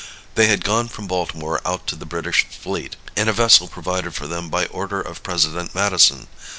They had gone from Baltimore out to the British fleet in a vessel provided for them by order of President Madison.